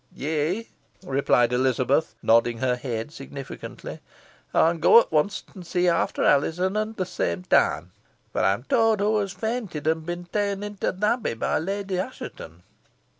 "Yeigh," replied Elizabeth, nodding her head significantly, "ey'n go at wonst, an see efter Alizon ot t' same time. Fo ey'm towd hoo has fainted, an been ta'en to th' Abbey by Lady Assheton."